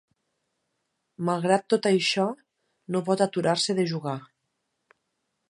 Malgrat tot això, no pot aturar-se de jugar.